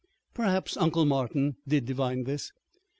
Perhaps Uncle Martin did divine this.